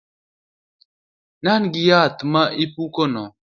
Nang’ yath ma ipukono